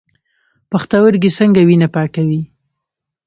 پښتورګي څنګه وینه پاکوي؟